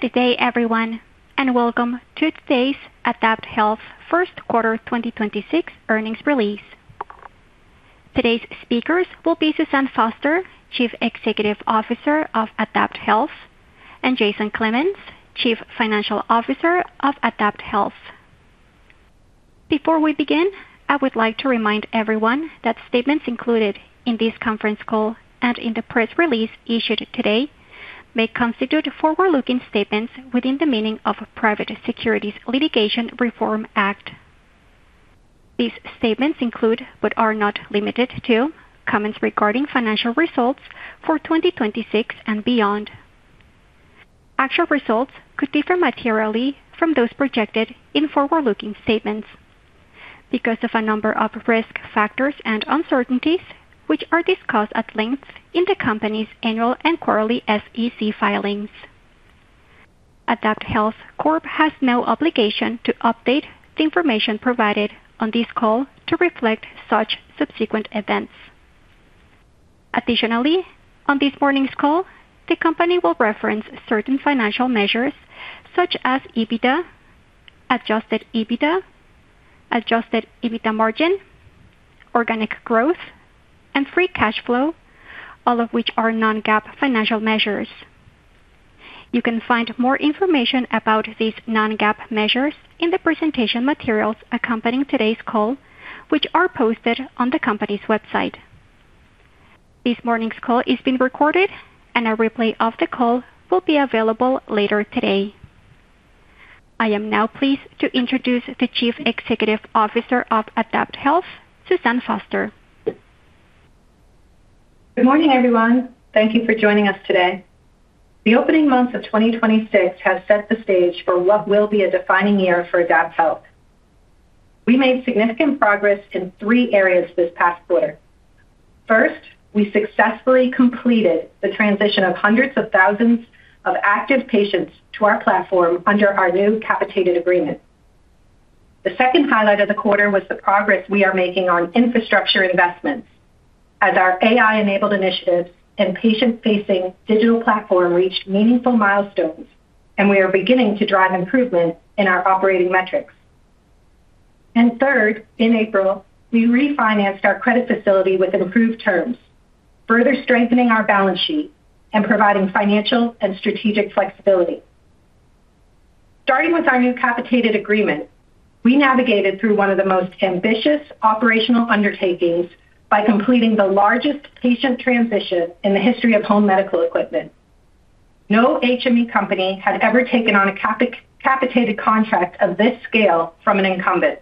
Good day, everyone, and welcome to today's AdaptHealth first quarter 2026 earnings release. Today's speakers will be Suzanne Foster, Chief Executive Officer of AdaptHealth, and Jason Clemens, Chief Financial Officer of AdaptHealth. Before we begin, I would like to remind everyone that statements included in this conference call and in the press release issued today may constitute forward-looking statements within the meaning of Private Securities Litigation Reform Act. These statements include, but are not limited to, comments regarding financial results for 2026 and beyond. Actual results could differ materially from those projected in forward-looking statements because of a number of risk factors and uncertainties, which are discussed at length in the company's annual and quarterly SEC filings. AdaptHealth Corp. has no obligation to update the information provided on this call to reflect such subsequent events. Additionally, on this morning's call, the company will reference certain financial measures such as EBITDA, adjusted EBITDA, adjusted EBITDA margin, organic growth, and free cash flow, all of which are non-GAAP financial measures. You can find more information about these non-GAAP measures in the presentation materials accompanying today's call, which are posted on the company's website. This morning's call is being recorded, and a replay of the call will be available later today. I am now pleased to introduce the Chief Executive Officer of AdaptHealth, Suzanne Foster. Good morning, everyone. Thank you for joining us today. The opening months of 2026 have set the stage for what will be a defining year for AdaptHealth. We made significant progress in three areas this past quarter. First, we successfully completed the transition of hundreds of thousands of active patients to our platform under our new capitated agreement. The second highlight of the quarter was the progress we are making on infrastructure investments as our AI-enabled initiatives and patient-facing digital platform reached meaningful milestones, we are beginning to drive improvements in our operating metrics. Third, in April, we refinanced our credit facility with improved terms, further strengthening our balance sheet and providing financial and strategic flexibility. Starting with our new capitated agreement, we navigated through one of the most ambitious operational undertakings by completing the largest patient transition in the history of home medical equipment. No HME company had ever taken on a capitated contract of this scale from an incumbent.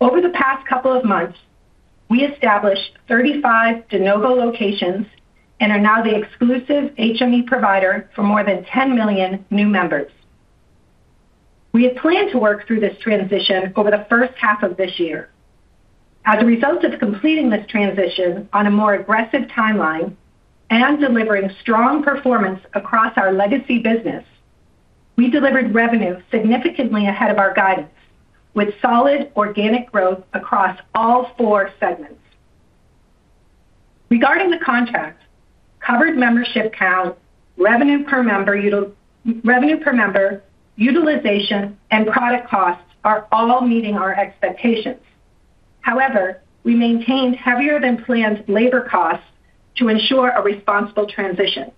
Over the past couple of months, we established 35 de novo locations and are now the exclusive HME provider for more than 10 million new members. We had planned to work through this transition over the first half of this year. As a result of completing this transition on a more aggressive timeline and delivering strong performance across our legacy business, we delivered revenue significantly ahead of our guidance, with solid organic growth across all four segments. Regarding the contract, covered membership count, revenue per member, utilization, and product costs are all meeting our expectations. However, we maintained heavier-than-planned labor costs to ensure a responsible transition.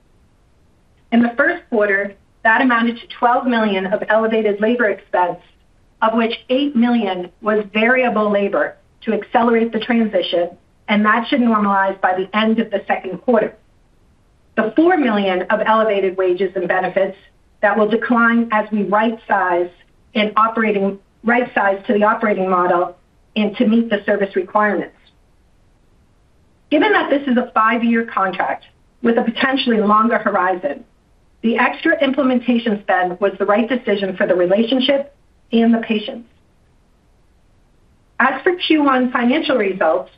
In the first quarter, that amounted to $12 million of elevated labor expense, of which $8 million was variable labor to accelerate the transition, and that should normalize by the end of the second quarter. The $4 million of elevated wages and benefits, that will decline as we rightsize to the operating model and to meet the service requirements. Given that this is a 5-year contract with a potentially longer horizon, the extra implementation spend was the right decision for the relationship and the patients. As for Q1 financial results,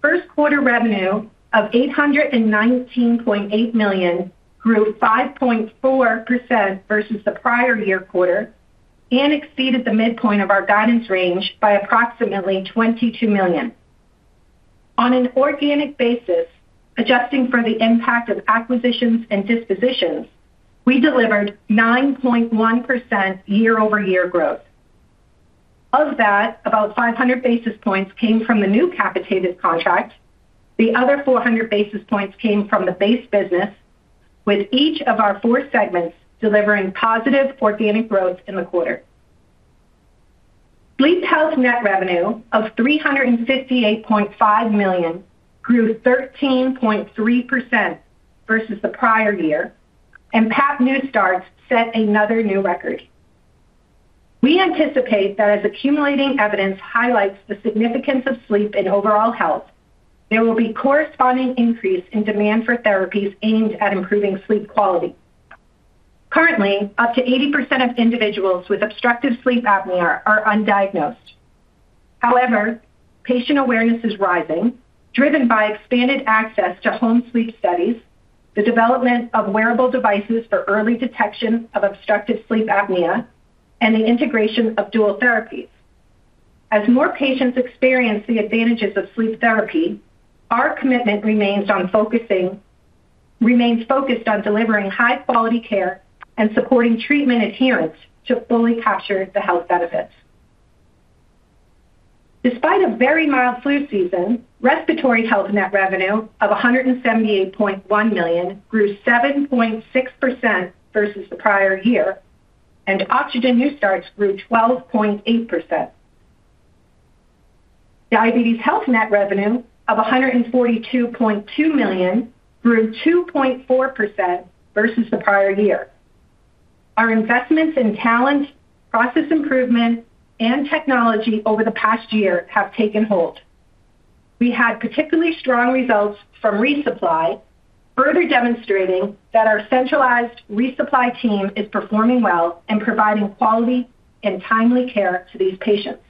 first quarter revenue of $819.8 million grew 5.4% versus the prior year quarter and exceeded the midpoint of our guidance range by approximately $22 million. On an organic basis, adjusting for the impact of acquisitions and dispositions, we delivered 9.1% year-over-year growth. Of that, about 500 basis points came from the new capitated contract. The other 400 basis points came from the base business, with each of our four segments delivering positive organic growth in the quarter. Sleep Health net revenue of $358.5 million grew 13.3% versus the prior year, and PAP new starts set another new record. We anticipate that as accumulating evidence highlights the significance of sleep in overall health, there will be corresponding increase in demand for therapies aimed at improving sleep quality. Currently, up to 80% of individuals with obstructive sleep apnea are undiagnosed. However, patient awareness is rising, driven by expanded access to home sleep studies, the development of wearable devices for early detection of obstructive sleep apnea, and the integration of dual therapies. As more patients experience the advantages of sleep therapy, our commitment remains focused on delivering high quality care and supporting treatment adherence to fully capture the health benefits. Despite a very mild flu season, Respiratory Health net revenue of $178.1 million grew 7.6% versus the prior year, and oxygen new starts grew 12.8%. Diabetes Health net revenue of $142.2 million grew 2.4% versus the prior year. Our investments in talent, process improvement, and technology over the past year have taken hold. We had particularly strong results from resupply, further demonstrating that our centralized resupply team is performing well and providing quality and timely care to these patients.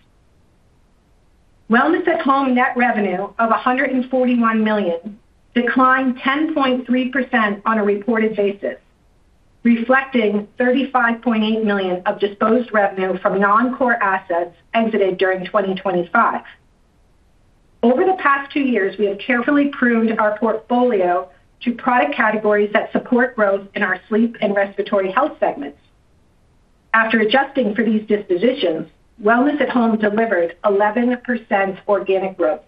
Wellness at Home net revenue of $141 million declined 10.3% on a reported basis, reflecting $35.8 million of disposed revenue from non-core assets exited during 2025. Over the past two years, we have carefully pruned our portfolio to product categories that support growth in our Sleep and Respiratory Health segments. After adjusting for these dispositions, Wellness at Home delivered 11% organic growth.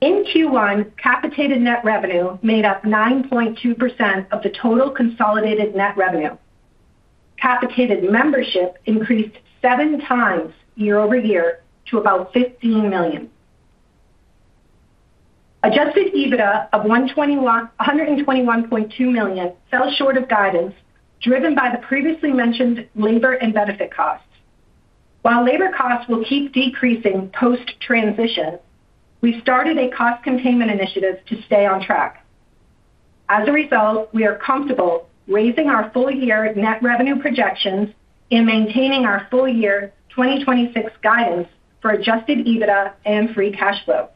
In Q1, capitated net revenue made up 9.2% of the total consolidated net revenue. Capitated membership increased seven times year-over-year to about 15 million. Adjusted EBITDA of $121.2 million fell short of guidance, driven by the previously mentioned labor and benefit costs. While labor costs will keep decreasing post-transition, we started a cost containment initiative to stay on track. As a result, we are comfortable raising our full year net revenue projections and maintaining our full year 2026 guidance for adjusted EBITDA and free cash flow.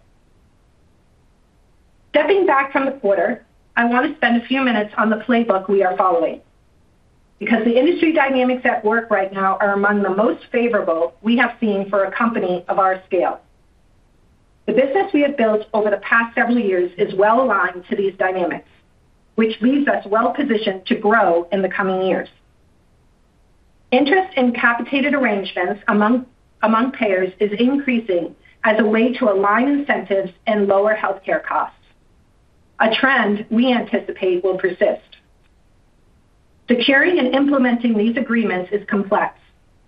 Stepping back from the quarter, I want to spend a few minutes on the playbook we are following because the industry dynamics at work right now are among the most favorable we have seen for a company of our scale. The business we have built over the past several years is well aligned to these dynamics, which leaves us well positioned to grow in the coming years. Interest in capitated arrangements among payers is increasing as a way to align incentives and lower healthcare costs, a trend we anticipate will persist. Securing and implementing these agreements is complex,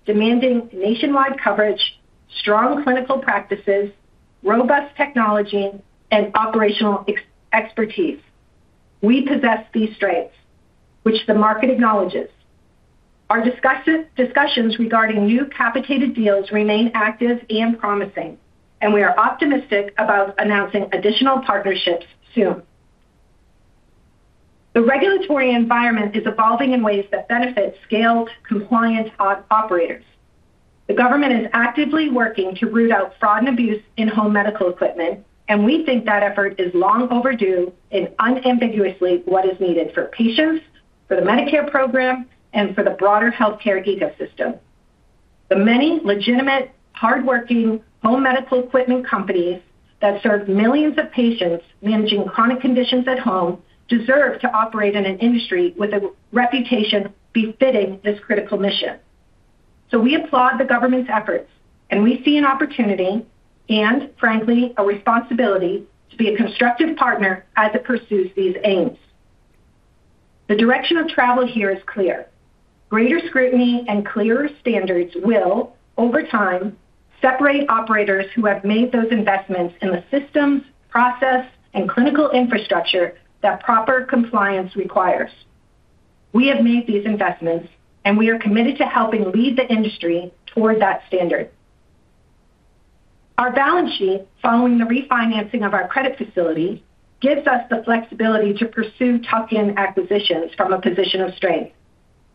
demanding nationwide coverage, strong clinical practices, robust technology, and operational expertise. We possess these strengths, which the market acknowledges. Our discussions regarding new capitated deals remain active and promising, and we are optimistic about announcing additional partnerships soon. The regulatory environment is evolving in ways that benefit scaled, compliant operators. The government is actively working to root out fraud and abuse in home medical equipment, and we think that effort is long overdue and unambiguously what is needed for patients, for the Medicare program, and for the broader healthcare ecosystem. The many legitimate, hardworking home medical equipment companies that serve millions of patients managing chronic conditions at home deserve to operate in an industry with a reputation befitting this critical mission. We applaud the government's efforts, and we see an opportunity and, frankly, a responsibility to be a constructive partner as it pursues these aims. The direction of travel here is clear. Greater scrutiny and clearer standards will, over time, separate operators who have made those investments in the systems, process, and clinical infrastructure that proper compliance requires. We have made these investments, and we are committed to helping lead the industry toward that standard. Our balance sheet, following the refinancing of our credit facility, gives us the flexibility to pursue tuck-in acquisitions from a position of strength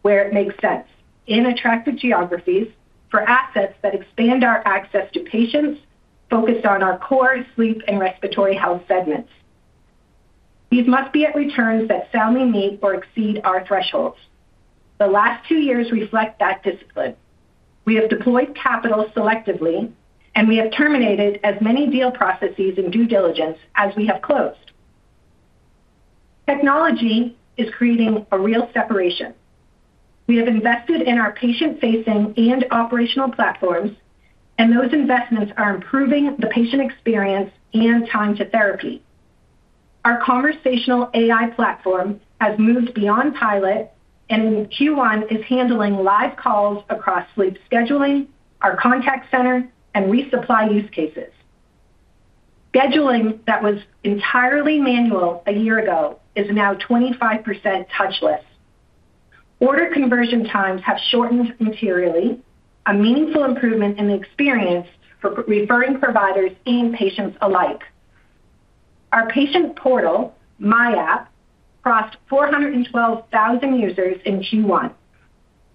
where it makes sense in attractive geographies for assets that expand our access to patients focused on our core Sleep Health and Respiratory Health segments. These must be at returns that soundly meet or exceed our thresholds. The last two years reflect that discipline. We have deployed capital selectively, and we have terminated as many deal processes and due diligence as we have closed. Technology is creating a real separation. We have invested in our patient-facing and operational platforms, and those investments are improving the patient experience and time to therapy. Our conversational AI platform has moved beyond pilot and in Q1 is handling live calls across sleep scheduling, our contact center, and resupply use cases. Scheduling that was entirely manual a year ago is now 25% touchless. Order conversion times have shortened materially, a meaningful improvement in the experience for referring providers and patients alike. Our patient portal, myAPP, crossed 412,000 users in Q1.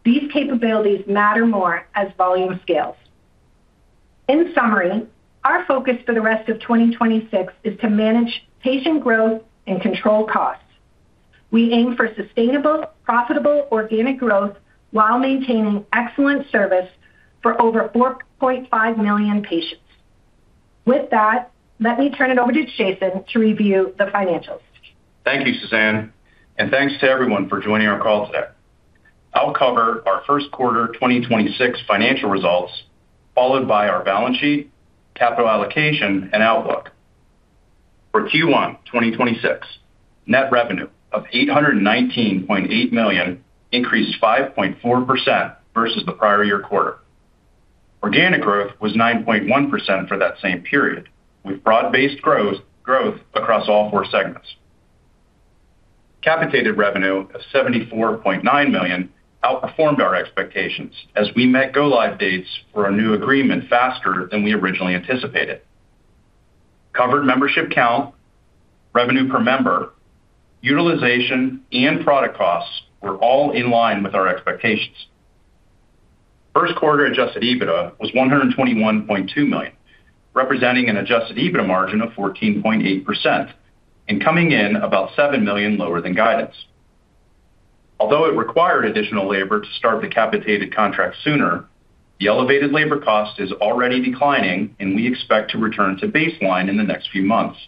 These capabilities matter more as volume scales. In summary, our focus for the rest of 2026 is to manage patient growth and control costs. We aim for sustainable, profitable organic growth while maintaining excellent service for over 4.5 million patients. With that, let me turn it over to Jason to review the financials. Thank you, Suzanne, and thanks to everyone for joining our call today. I'll cover our first quarter 2026 financial results, followed by our balance sheet, capital allocation, and outlook. For Q1 2026, net revenue of $819.8 million increased 5.4% versus the prior year quarter. Organic growth was 9.1% for that same period, with broad-based growth across all four segments. Capitated revenue of $74.9 million outperformed our expectations as we met go-live dates for a new agreement faster than we originally anticipated. Covered membership count, revenue per member, utilization, and product costs were all in line with our expectations. First quarter adjusted EBITDA was $121.2 million, representing an adjusted EBITDA margin of 14.8% and coming in about $7 million lower than guidance. Although it required additional labor to start the capitated contract sooner, the elevated labor cost is already declining, and we expect to return to baseline in the next few months.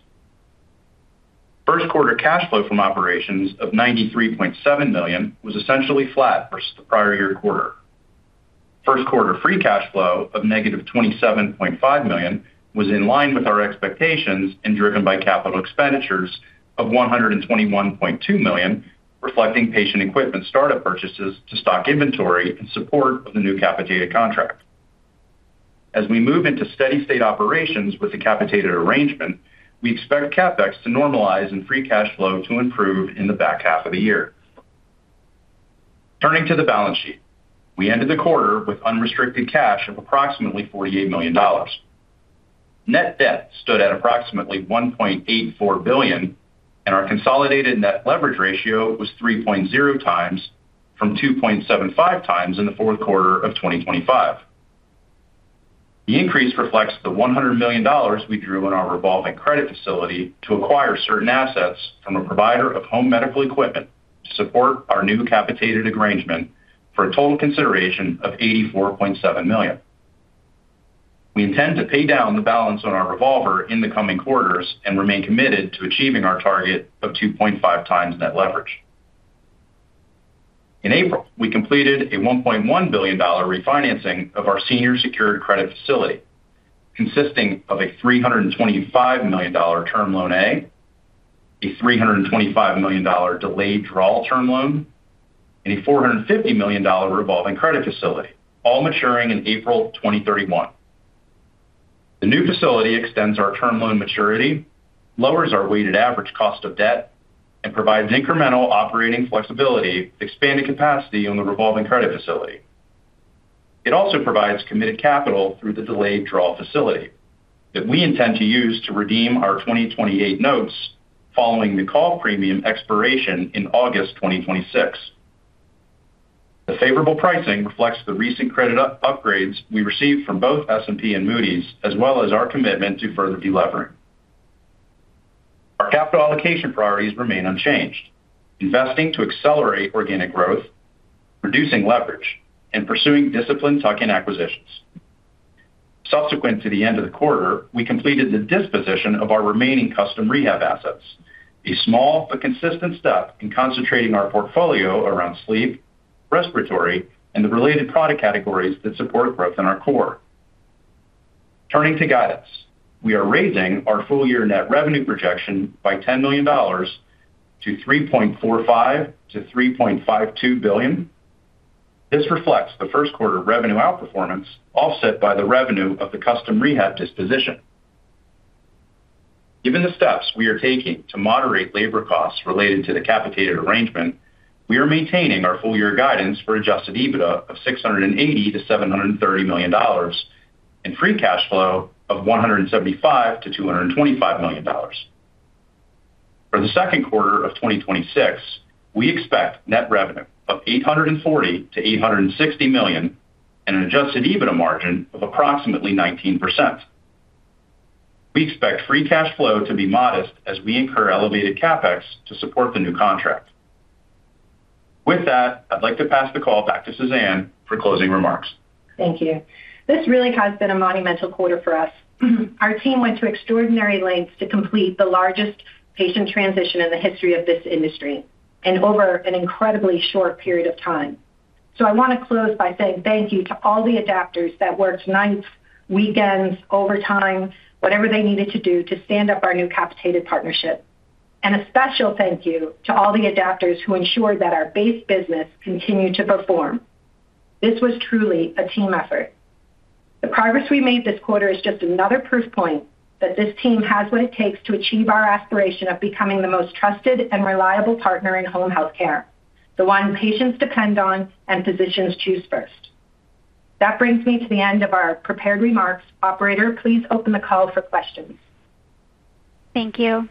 First quarter cash flow from operations of $93.7 million was essentially flat versus the prior year quarter. First quarter free cash flow of -$27.5 million was in line with our expectations and driven by capital expenditures of $121.2 million, reflecting patient equipment startup purchases to stock inventory in support of the new capitated contract. As we move into steady state operations with the capitated arrangement, we expect CapEx to normalize and free cash flow to improve in the back half of the year. Turning to the balance sheet. We ended the quarter with unrestricted cash of approximately $48 million. Net debt stood at approximately $1.84 billion, and our consolidated net leverage ratio was 3.0x from 2.75x in the fourth quarter of 2025. The increase reflects the $100 million we drew on our revolving credit facility to acquire certain assets from a provider of home medical equipment to support our new capitated arrangement for a total consideration of $84.7 million. We intend to pay down the balance on our revolver in the coming quarters and remain committed to achieving our target of 2.5 times net leverage. In April, we completed a $1.1 billion refinancing of our senior secured credit facility, consisting of a $325 million Term Loan A, a $325 million delayed draw term loan, and a $450 million revolving credit facility, all maturing in April 2031. The new facility extends our term loan maturity, lowers our weighted average cost of debt, and provides incremental operating flexibility, expanding capacity on the revolving credit facility. It also provides committed capital through the delayed draw facility that we intend to use to redeem our 2028 notes following the call premium expiration in August 2026. The favorable pricing reflects the recent credit upgrades we received from both S&P and Moody's, as well as our commitment to further delevering. Our capital allocation priorities remain unchanged: investing to accelerate organic growth, reducing leverage, and pursuing disciplined tuck-in acquisitions. Subsequent to the end of the quarter, we completed the disposition of our remaining custom rehab assets, a small but consistent step in concentrating our portfolio around sleep, respiratory, and the related product categories that support growth in our core. Turning to guidance. We are raising our full year net revenue projection by $10 million to $3.45 billion-$3.52 billion. This reflects the first quarter revenue outperformance offset by the revenue of the custom rehab disposition. Given the steps we are taking to moderate labor costs related to the capitated arrangement, we are maintaining our full year guidance for adjusted EBITDA of $680 million-$730 million and free cash flow of $175 million-$225 million. For the second quarter of 2026, we expect net revenue of $840 million-$860 million and an adjusted EBITDA margin of approximately 19%. We expect free cash flow to be modest as we incur elevated CapEx to support the new contract. I'd like to pass the call back to Suzanne for closing remarks. Thank you. This really has been a monumental quarter for us. Our team went to extraordinary lengths to complete the largest patient transition in the history of this industry and over an incredibly short period of time. I wanna close by saying thank you to all the Adaptors that worked nights, weekends, overtime, whatever they needed to do to stand up our new capitated partnership. A special thank you to all the Adaptors who ensured that our base business continued to perform. This was truly a team effort. The progress we made this quarter is just another proof point that this team has what it takes to achieve our aspiration of becoming the most trusted and reliable partner in home healthcare, the one patients depend on and physicians choose first. That brings me to the end of our prepared remarks. Operator, please open the call for questions. Thank you.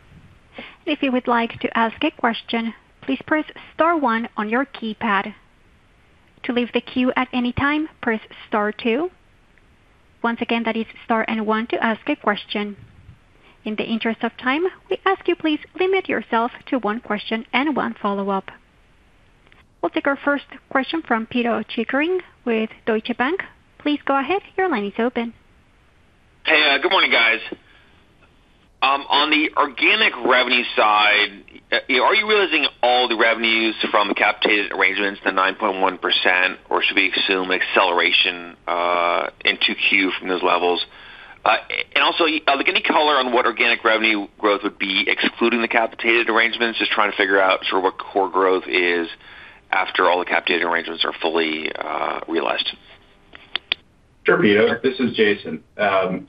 If you would like to ask a question, please press star one on your keypad. To leave the queue at any time, press star two. Once again, that is star and one to ask a question. In the interest of time, we ask you please limit yourself to one question and one follow-up. We'll take our first question from Pito Chickering with Deutsche Bank. Please go ahead. Your line is open. Hey, good morning, guys. On the organic revenue side, are you realizing all the revenues from capitated arrangements to 9.1%, or should we assume acceleration into Q from those levels? Also, like any color on what organic revenue growth would be excluding the capitated arrangements? Just trying to figure out sort of what core growth is after all the capitated arrangements are fully realized. Sure, Pito. This is Jason. On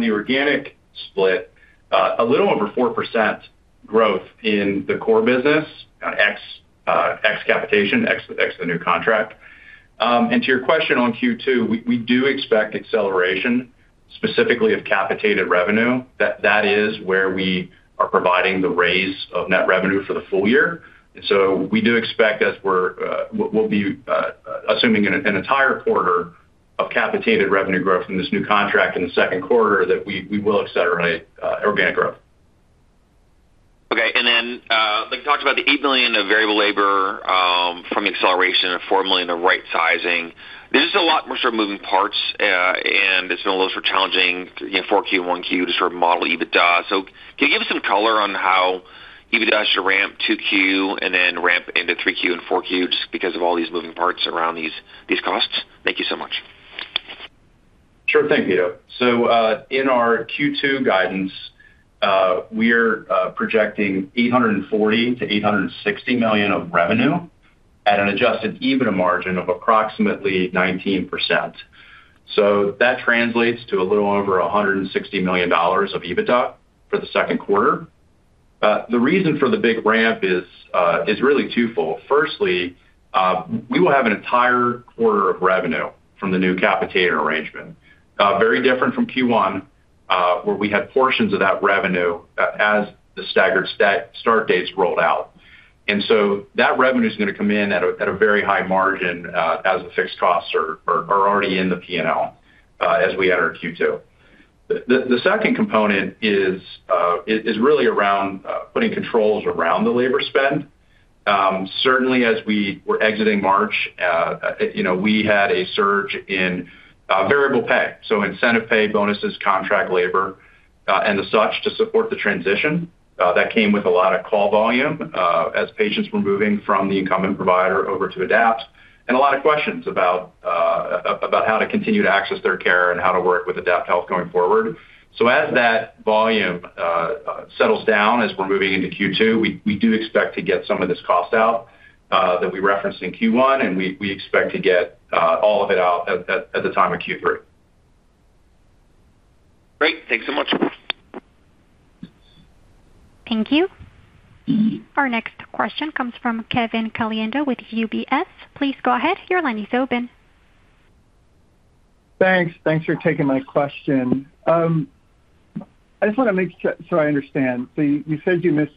the organic split, a little over 4% growth in the core business, ex capitation, ex the new contract. To your question on Q2, we do expect acceleration specifically of capitated revenue. That is where we are providing the raise of net revenue for the full year. We do expect as we'll be assuming an entire quarter of capitated revenue growth from this new contract in the second quarter that we will accelerate organic growth. Okay. Like you talked about the $8 million of variable labor from the acceleration and $4 million in the right sizing. There's just a lot more sort of moving parts, and it's been a little challenging, you know, for Q1 Q to sort of model EBITDA. Can you give us some color on how EBITDA should ramp 2Q and then ramp into 3Q and 4Q just because of all these moving parts around these costs? Thank you so much. Sure thing, Pito. In our Q2 guidance, we're projecting $840 million-$860 million of revenue at an adjusted EBITDA margin of approximately 19%. That translates to a little over $160 million of EBITDA for the second quarter. The reason for the big ramp is really twofold. Firstly, we will have an entire quarter of revenue from the new capitated arrangement. Very different from Q1, where we had portions of that revenue as the staggered start dates rolled out. That revenue is gonna come in at a very high margin as the fixed costs are already in the P&L as we enter Q2. The second component is really around putting controls around the labor spend. Certainly as we were exiting March, you know, we had a surge in variable pay, so incentive pay, bonuses, contract labor, and the such to support the transition that came with a lot of call volume as patients were moving from the incumbent provider over to Adapt, and a lot of questions about how to continue to access their care and how to work with AdaptHealth going forward. As that volume settles down, as we're moving into Q2, we do expect to get some of this cost out that we referenced in Q1, and we expect to get all of it out at the time of Q3. Great. Thanks so much. Thank you. Our next question comes from Kevin Caliendo with UBS. Please go ahead. Your line is open. Thanks. Thanks for taking my question. I just want to make sure, so I understand. You said you missed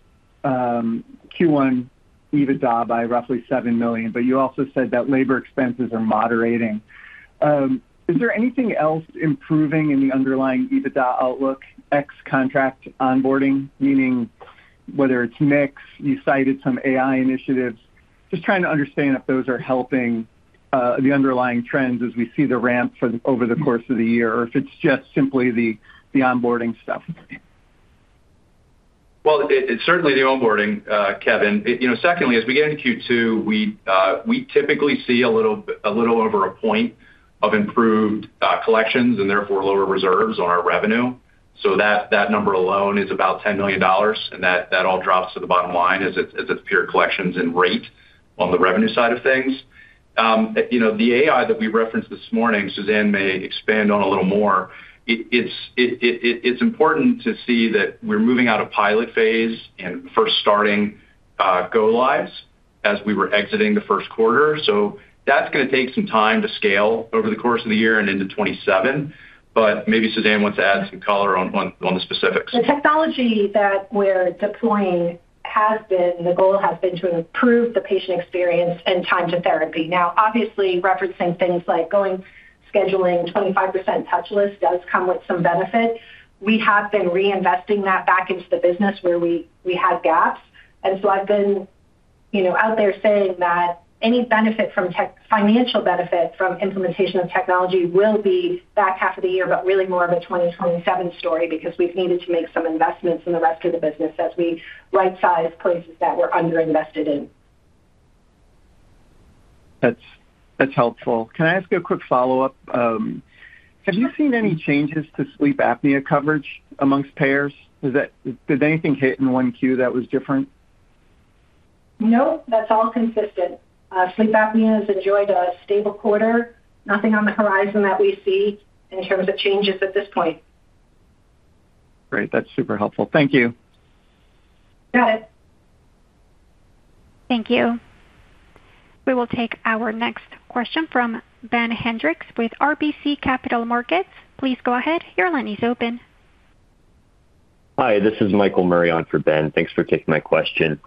Q1 EBITDA by roughly $7 million, but you also said that labor expenses are moderating. Is there anything else improving in the underlying EBITDA outlook, ex contract onboarding? Meaning whether it's mix, you cited some AI initiatives. Just trying to understand if those are helping the underlying trends as we see the ramp over the course of the year or if it's just simply the onboarding stuff. It's certainly the onboarding, Kevin. You know, secondly, as we get into Q2, we typically see a little over a point of improved collections and therefore lower reserves on our revenue. That number alone is about $10 million, and that all drops to the bottom line as it's pure collections and rate on the revenue side of things. You know, the AI that we referenced this morning, Suzanne may expand on a little more. It's important to see that we're moving out of pilot phase and first starting go-lives as we were exiting the first quarter. That's gonna take some time to scale over the course of the year and into 2027, maybe Suzanne wants to add some color on the specifics. The technology that we're deploying has been, the goal has been to improve the patient experience and time to therapy. Obviously, referencing things like going, scheduling, 25% touchless does come with some benefit. We have been reinvesting that back into the business where we had gaps. I've been, you know, out there saying that any financial benefit from implementation of technology will be back half of the year, but really more of a 2027 story because we've needed to make some investments in the rest of the business as we right-size places that we're underinvested in. That's helpful. Can I ask you a quick follow-up? Have you seen any changes to sleep apnea coverage amongst payers? Did anything hit in 1Q that was different? Nope. That's all consistent. Sleep apnea has enjoyed a stable quarter. Nothing on the horizon that we see in terms of changes at this point. Great. That's super helpful. Thank you. Got it. Thank you. We will take our next question from Ben Hendrix with RBC Capital Markets. Please go ahead. Hi, this is Michael Murray on for Ben. Thanks for taking my question.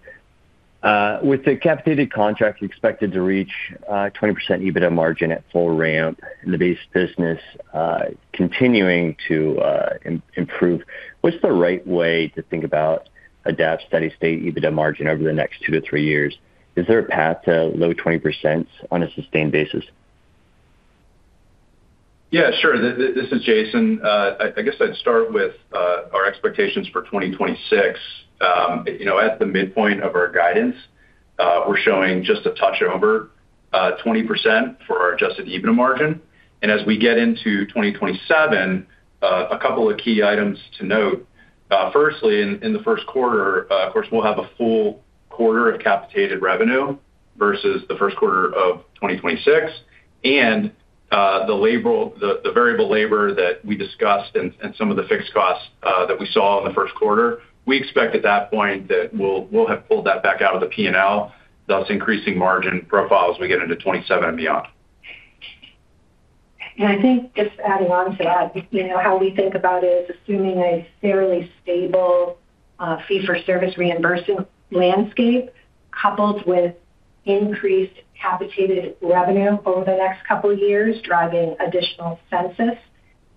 With the capitated contract expected to reach 20% EBITDA margin at full ramp and the base business continuing to improve, what's the right way to think about AdaptHealth steady-state EBITDA margin over the next 2-3 years? Is there a path to low 20% on a sustained basis? Yeah, sure. This is Jason. I guess I'd start with our expectations for 2026. You know, at the midpoint of our guidance, we're showing just a touch over 20% for our adjusted EBITDA margin. As we get into 2027, a couple of key items to note. Firstly, in the first quarter, of course, we'll have a full quarter of capitated revenue versus the first quarter of 2026. The variable labor that we discussed and some of the fixed costs that we saw in the first quarter, we expect at that point that we'll have pulled that back out of the P&L, thus increasing margin profile as we get into 2027 and beyond. I think just adding on to that, you know, how we think about it is assuming a fairly stable fee for service reimbursement landscape coupled with increased capitated revenue over the next couple of years, driving additional census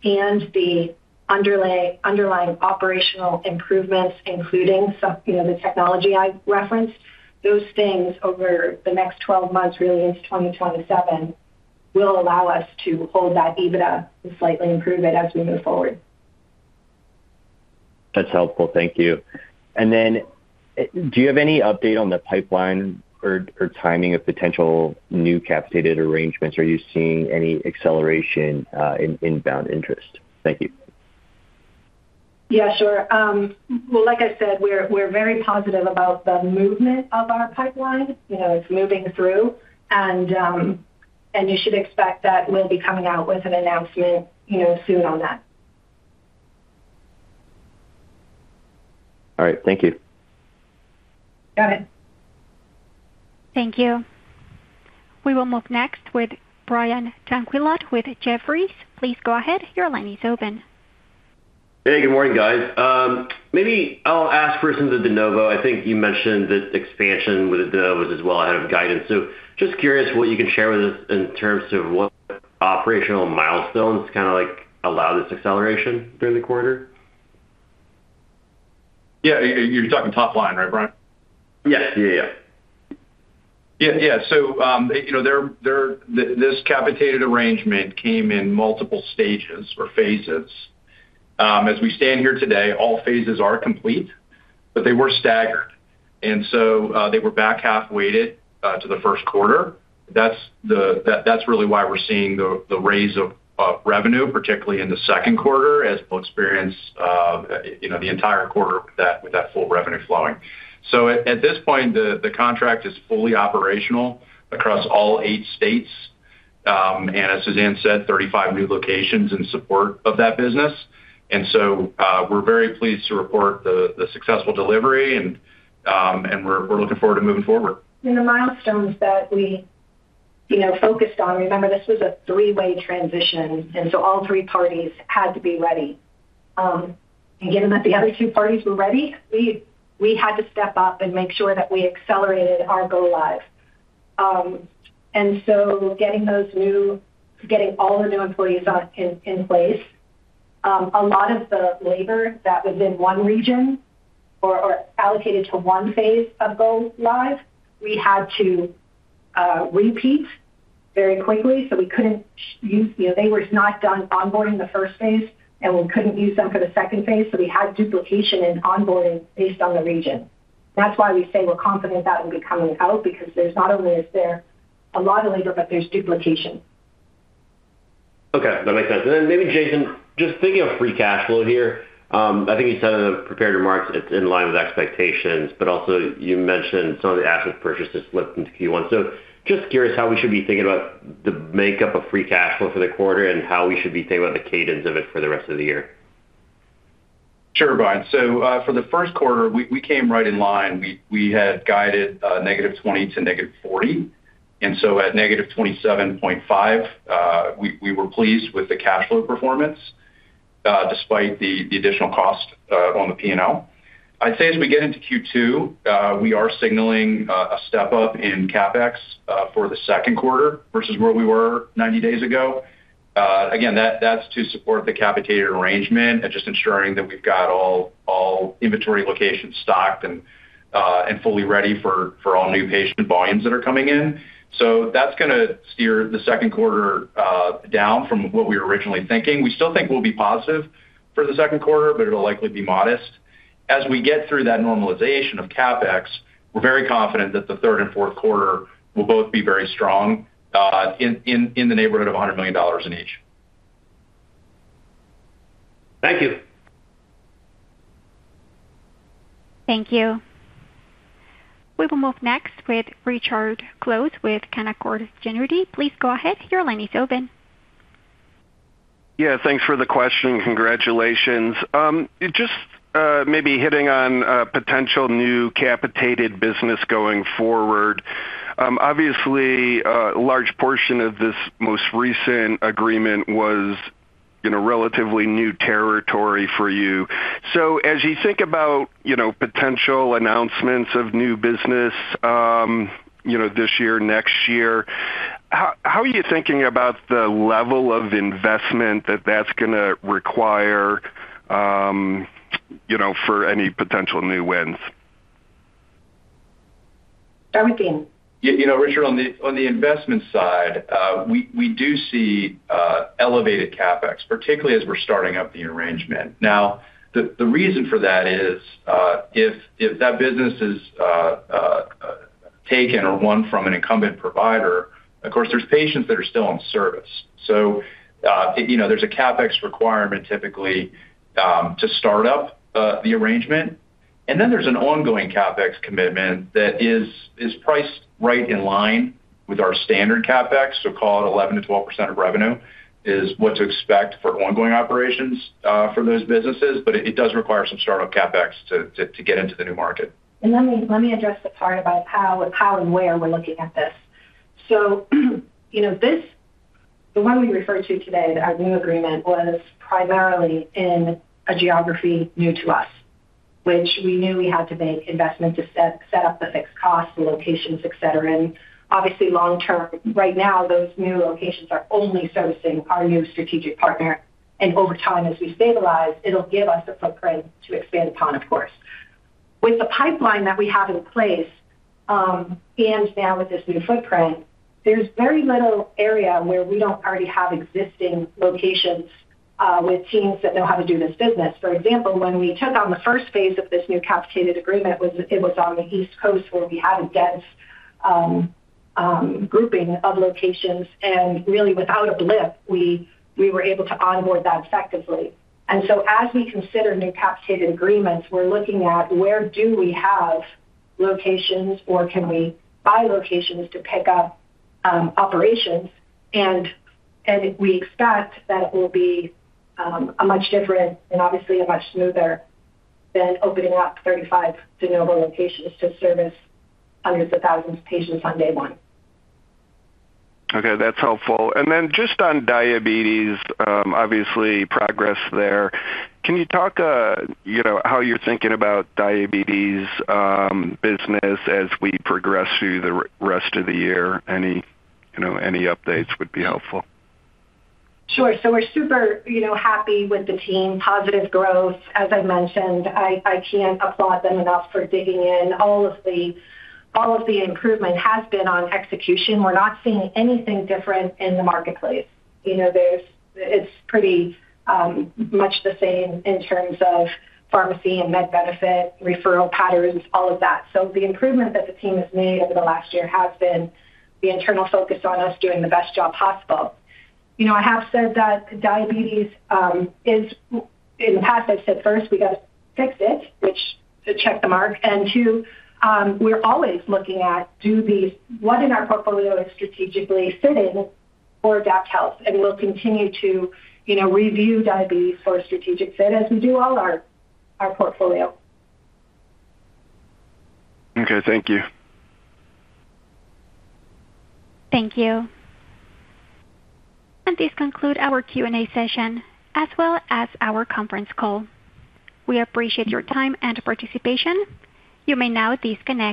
and the underlying operational improvements, including some, you know, the technology I referenced. Those things over the next 12 months, really into 2027, will allow us to hold that EBITDA and slightly improve it as we move forward. That's helpful. Thank you. Do you have any update on the pipeline or timing of potential new capitated arrangements? Are you seeing any acceleration in inbound interest? Thank you. Yeah, sure. Well, like I said, we're very positive about the movement of our pipeline. You know, it's moving through and you should expect that we'll be coming out with an announcement, you know, soon on that. All right. Thank you. Got it. Thank you. We will move next with Brian Tanquilut with Jefferies. Please go ahead. Your line is open. Hey, good morning, guys. Maybe I'll ask first into the de novo. I think you mentioned that expansion with the de novos was well ahead of guidance. Just curious what you can share with us in terms of what operational milestones kinda like allow this acceleration during the quarter? Yeah. You're talking top line, right, Brian? Yes. Yeah, yeah. Yeah. Yeah. You know, this capitated arrangement came in multiple stages or phases. As we stand here today, all phases are complete, but they were staggered. They were back half weighted to the first quarter. That's really why we're seeing the raise of revenue, particularly in the second quarter, as we'll experience, you know, the entire quarter with that full revenue flowing. At this point, the contract is fully operational across all eight states. As Suzanne said, 35 new locations in support of that business. We're very pleased to report the successful delivery and we're looking forward to moving forward. The milestones that we, you know, focused on, remember this was a three-way transition. All three parties had to be ready. Given that the other two parties were ready, we had to step up and make sure that we accelerated our go-live. Getting all the new employees in place, a lot of the labor that was in one region or allocated to one phase of go-live, we had to repeat very quickly. You know, they were not done onboarding the first phase, and we couldn't use them for the second phase, so we had duplication in onboarding based on the region. That's why we say we're confident that will be coming out because there's not only is there a lot of labor, but there's duplication. Okay. That makes sense. Maybe Jason, just thinking of free cash flow here, I think you said in the prepared remarks it's in line with expectations, but also you mentioned some of the asset purchases slipped into Q1. Just curious how we should be thinking about the makeup of free cash flow for the quarter and how we should be thinking about the cadence of it for the rest of the year. Sure, Brian. For the first quarter, we came right in line. We had guided -$20 to n-$40, and at -$27.5, we were pleased with the cash flow performance despite the additional cost on the P&L. I'd say as we get into Q2, we are signaling a step-up in CapEx for the second quarter versus where we were 90 days ago. Again, that's to support the capitated arrangement and just ensuring that we've got all inventory locations stocked and fully ready for all new patient volumes that are coming in. That's gonna steer the second quarter down from what we were originally thinking. We still think we'll be positive for the second quarter, but it'll likely be modest. As we get through that normalization of CapEx, we're very confident that the third and fourth quarter will both be very strong, in the neighborhood of $100 million in each. Thank you. Thank you. We will move next with Richard Close with Canaccord Genuity. Please go ahead. Your line is open. Yeah, thanks for the question. Congratulations. Just maybe hitting on potential new capitated business going forward. Obviously, a large portion of this most recent agreement was in a relatively new territory for you. As you think about, you know, potential announcements of new business, you know, this year, next year, how are you thinking about the level of investment that that's gonna require, you know, for any potential new wins? I would begin. Yeah. You know, Richard, on the investment side, we do see elevated CapEx, particularly as we're starting up the arrangement. The reason for that is, if that business is taken or won from an incumbent provider, of course, there's patients that are still in service. You know, there's a CapEx requirement typically to start up the arrangement. There's an ongoing CapEx commitment that is priced right in line with our standard CapEx. Call it 11%-12% of revenue is what to expect for ongoing operations for those businesses. It does require some startup CapEx to get into the new market. Let me address the part about how and where we're looking at this. You know, the one we referred to today, our new agreement, was primarily in a geography new to us, which we knew we had to make investment to set up the fixed costs, the locations, et cetera. Obviously, long term, right now, those new locations are only servicing our new strategic partner. Over time, as we stabilize, it'll give us a footprint to expand upon, of course. With the pipeline that we have in place, and now with this new footprint, there's very little area where we don't already have existing locations, with teams that know how to do this business. For example, when we took on the first phase of this new capitated agreement, it was on the East Coast, where we had a dense grouping of locations. Really, without a blip, we were able to onboard that effectively. As we consider new capitated agreements, we're looking at where do we have locations or can we buy locations to pick up operations. We expect that it will be a much different and obviously a much smoother than opening up 35 de novo locations to service hundreds of thousands of patients on day one. Okay. That's helpful. Just on Diabetes, obviously progress there. Can you talk, you know, how you're thinking about Diabetes business as we progress through the rest of the year? Any, you know, any updates would be helpful. Sure. We're super, you know, happy with the team. Positive growth, as I mentioned. I can't applaud them enough for digging in. All of the improvement has been on execution. We're not seeing anything different in the marketplace. You know, it's pretty much the same in terms of pharmacy and med benefit, referral patterns, all of that. The improvement that the team has made over the last year has been the internal focus on us doing the best job possible. You know, I have said that Diabetes, in the past, I've said, first we gotta fix it, which, to check the mark. Two, we're always looking at what in our portfolio is strategically fitting for AdaptHealth? We'll continue to, you know, review Diabetes for strategic fit as we do all our portfolio. Okay. Thank you. Thank you. This conclude our Q&A session as well as our conference call. We appreciate your time and participation. You may now disconnect.